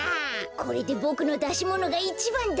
これでボクのだしものがいちばんだ！